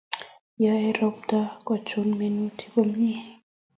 Yoei ropta kochun minutik komie